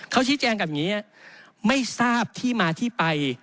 เขาชิดแจ้งแบบนี้ไม่ทราบที่มาที่ไป